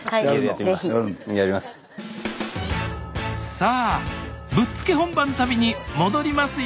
さあぶっつけ本番旅に戻りますよ